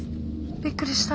びっくりした。